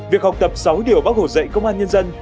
việc học tập sáu điều bác hồ dạy công an nhân dân